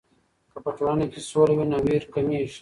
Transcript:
که په ټولنه کې سوله وي، نو ویر کمېږي.